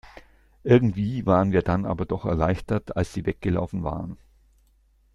Irgendwie waren wir dann aber doch erleichtert, als sie weggelaufen waren.